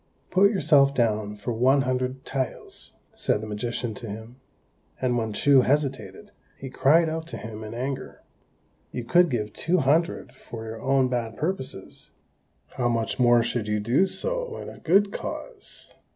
"Put yourself down for one hundred taels," said the magician to him; and when Chou hesitated, he cried out to him in anger, "You could give two hundred for your own bad purposes: how much more should you do so in a good cause?"